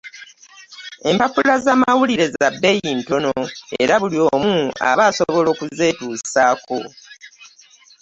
Empapula z'amawulire za bbeeyi ntono era buli omu aba asobola okuzetuusako.